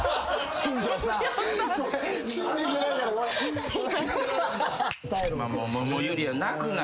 新庄さん